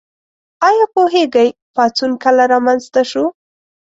ایا پوهیږئ پاڅون کله رامنځته شو؟